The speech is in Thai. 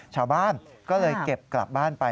ชาวบ้านก็เลยเก็บกลับบ้านไป